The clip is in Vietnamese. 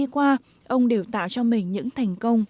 quá hạnh phúc